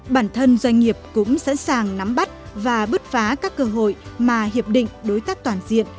bản thân doanh nghiệp cũng sẵn sàng nắm bắt và bứt phá các cơ hội mà hiệp định đối tác toàn diện